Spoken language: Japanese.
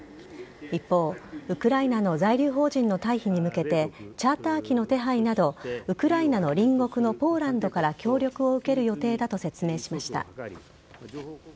一方、ウクライナの在留邦人の退避に向けてチャーター機の手配などウクライナの隣国のポーランドから協力を受ける予定だと説明しました。